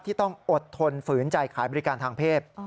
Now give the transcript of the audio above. ที่ต้องอดทนฝืนใจขายบริการทางเพศ